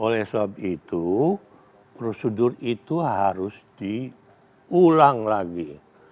terutama dibenarkan itu harus diulang lagi